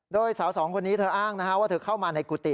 โดยสาวสองคนนี้เธออ้างว่าเธอเข้ามาในกุฏิ